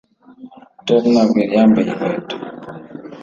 Tom ntabwo yari yambaye inkweto